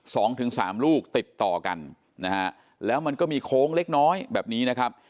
สองถึงสามลูกติดต่อกันนะฮะแล้วมันก็มีโค้งเล็กน้อยแบบนี้นะครับ